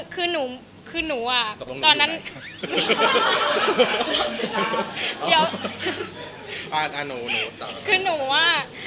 คือคือหนูอะ